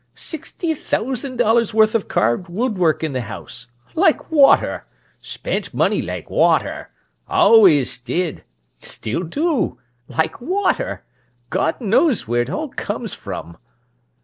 Sixty thousand dollars' worth o' carved woodwork in the house! Like water! Spent money like water! Always did! Still do! Like water! God knows where it all comes from!"